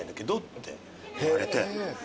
って言われて。